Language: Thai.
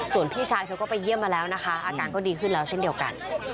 ส่วนพี่ชายเธอก็ไปเยี่ยมมาแล้วนะคะอาการก็ดีขึ้นแล้วเช่นเดียวกัน